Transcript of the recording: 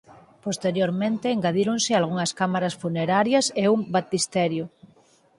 Posteriormente engadíronse algunhas cámaras funerarias e un baptisterio.